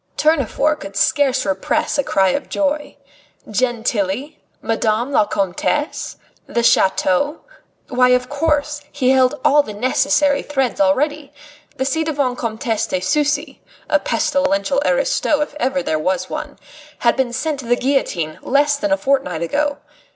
Tournefort could scarce repress a cry of joy. "Gentilly? Madame la Comtesse? The chateau?" Why, of course, he held all the necessary threads already. The ci devant Comte de Sucy a pestilential aristo if ever there was one! had been sent to the guillotine less than a fortnight ago.